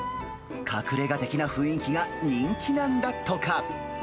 隠れが的な雰囲気が人気なんだとか。